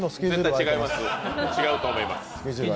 違うと思います。